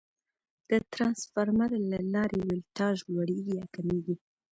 د ترانسفارمر له لارې ولټاژ لوړېږي یا کمېږي.